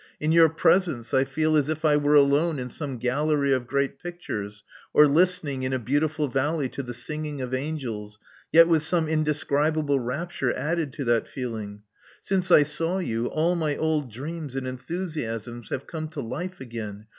In yonr presea^ci I feel as if I were alone in some gallery o£'gteat pictures, or listening in a beautiful vaUey ,to the singing of angels, yet with some indeaoibable raptui:e added to that feeling. Since I saw ]^u, all my old dreams and enthusiasms have come to life again.